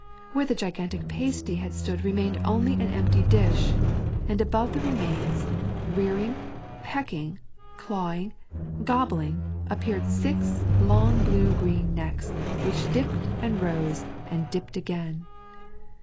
Where the gigantic pasty had stood remained only an empty dish, and above the remains, rearing, pecking, clawing, gobbling, appeared six long blue green necks, which dipped and rose and dipped again!